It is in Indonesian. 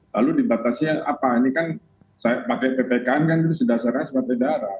lalu dibatasi apa ini kan pakai ppkm kan itu sedasarannya seperti darah